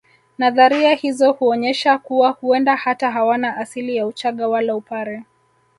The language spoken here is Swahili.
Nadharia hizo huonyesha kuwa huenda hata hawana asili ya uchaga wala upare